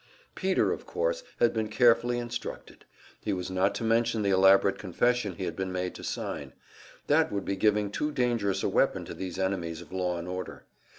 Peter, of course, had been carefully instructed; he was not to mention the elaborate confession he had been made to sign; that would be giving too dangerous a weapon to these enemies of law and order.